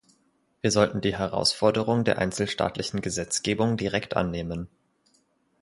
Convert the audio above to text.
Wir sollten die Herausforderung der einzelstaatlichen Gesetzgebung direkt annehmen.